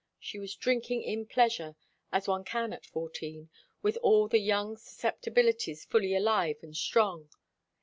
She was drinking in pleasure, as one can at fourteen, with all the young susceptibilities fully alive and strong.